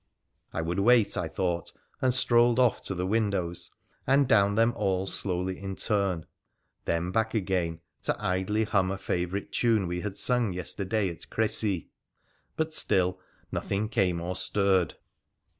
I would wait, I thought, and strolled off to the windows, and down them all slowly in turn, then back again, to idly hum a favourite tune we had sung yesterday at Crecy. But still nothing came or stirred.